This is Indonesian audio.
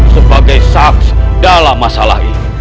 sebagai subs dalam masalah ini